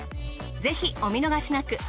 ぜひお見逃しなく。